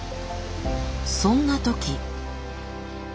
そんな時。